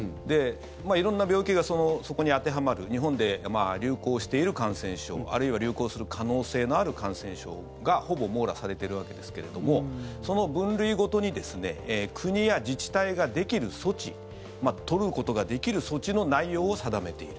色んな病気がそこに当てはまる日本で流行している感染症あるいは流行する可能性のある感染症がほぼ網羅されているわけですけれどもその分類ごとに国や自治体ができる措置取ることができる措置の内容を定めている。